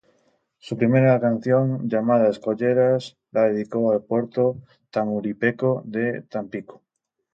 Su primera canción, llamada "Escolleras", la dedicó al puerto tamaulipeco de Tampico.